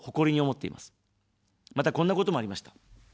また、こんなこともありました。